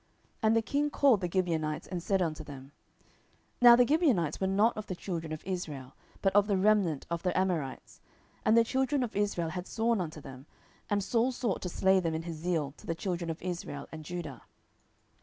10:021:002 And the king called the Gibeonites, and said unto them; (now the Gibeonites were not of the children of Israel, but of the remnant of the Amorites; and the children of Israel had sworn unto them: and Saul sought to slay them in his zeal to the children of Israel and Judah.)